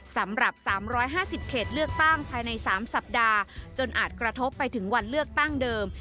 สำหรับ๓๕๐เขตเลือกตั้งภายใน๓สัปดาห์จนอาจกระทบไปถึงวันเลือกตั้งเดิม